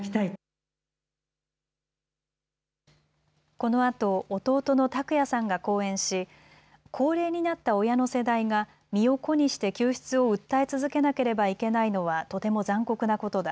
このあと弟の拓也さんが講演し高齢になった親の世代が身を粉にして救出を訴え続けなければいけないのはとても残酷なことだ。